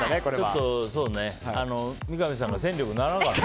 ちょっと、三上さんが戦力にならなかった。